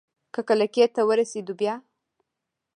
که کلکې ته ورسېدو بيا؟